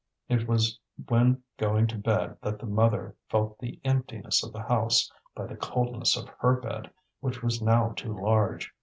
It was when going to bed that the mother felt the emptiness of the house by the coldness of her bed, which was now too large.